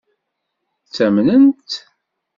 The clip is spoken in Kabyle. Ttamnent-t?